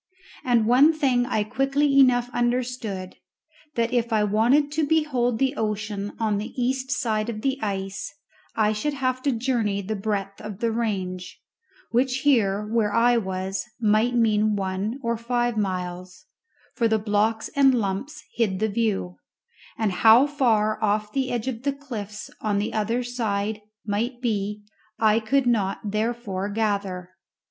And one thing I quickly enough understood: that if I wanted to behold the ocean on the east side of the ice I should have to journey the breadth of the range, which here, where I was, might mean one or five miles, for the blocks and lumps hid the view, and how far off the edge of the cliffs on the other side might be I could not therefore gather.